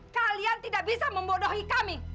kalian tidak bisa membodohi kami